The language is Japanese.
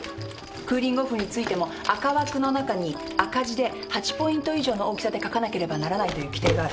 クーリングオフについても赤枠の中に赤字で８ポイント以上の大きさで書かなければならないという規定がある。